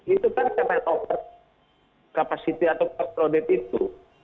itu kan setelah over capacity atau per product itu